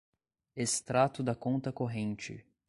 Extrato da conta corrente